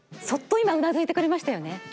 そっといまうなずいてくれましたよね。